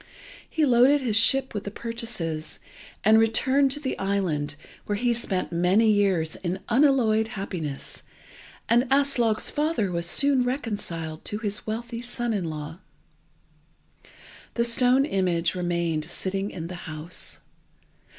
He loaded his ship with his purchases, and returned to the island, where he spent many years in unalloyed happiness, and Aslog's father was soon reconciled to his wealthy son in law. The stone image remained sitting in the house.